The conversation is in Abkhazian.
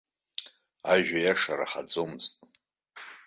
Ажәа иаша раҳаӡомызт.